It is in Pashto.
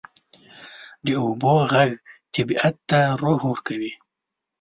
د اوبو ږغ طبیعت ته روح ورکوي.